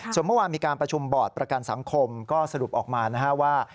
ส่วนเมื่อวานมีการประชุมบอร์ดประกันสังคมก็สรุปออกมานะฮะว่า